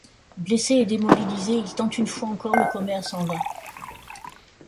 Blessé et démobilisé, il tente une fois encore le commerce, en vain.